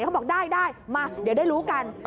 เขาบอกได้มาเดี๋ยวได้รู้กัน